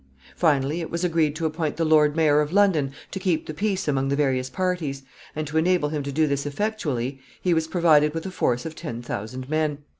Finally, it was agreed to appoint the Lord mayor of London to keep the peace among the various parties, and, to enable him to do this effectually, he was provided with a force of ten thousand men.